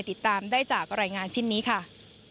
ติดตามได้จากรายงานชิ้นนี้ค่ะ